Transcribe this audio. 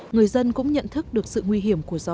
người dân cũng nhận thức được sự nguy hiểm của gió